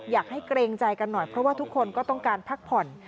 เกรงใจกันหน่อยเพราะว่าทุกคนก็ต้องการพักผ่อน